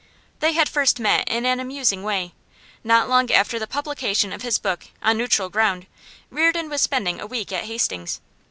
They had first met in an amusing way. Not long after the publication of his book 'On Neutral Ground' Reardon was spending a week at Hastings.